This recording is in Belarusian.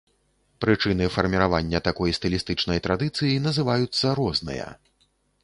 Прычыны фарміравання такой стылістычнай традыцыі называюцца розныя.